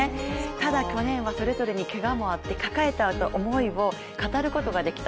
ただ去年はけがもあって、抱えた思いを語ることができた。